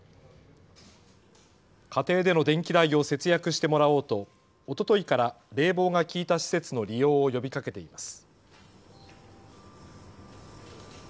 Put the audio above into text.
家庭での電気代を節約してもらおうとおとといから冷房が効いた施設の利用を呼びかけています。